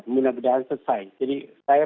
mudah mudahan selesai jadi saya